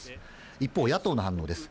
一方、野党の反応です。